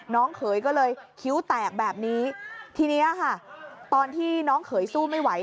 เขยก็เลยคิ้วแตกแบบนี้ทีนี้ค่ะตอนที่น้องเขยสู้ไม่ไหว